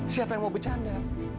siapa yang mau bercanda